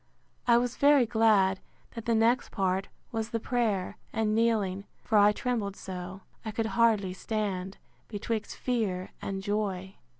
I was very glad, that the next part was the prayer, and kneeling; for I trembled so, I could hardly stand, betwixt fear and joy.